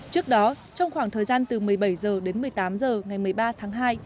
trước đó trong khoảng thời gian từ một mươi bảy h đến một mươi tám h ngày một mươi ba tháng hai